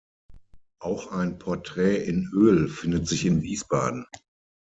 Auch ein Porträt in Öl findet sich in Wiesbaden.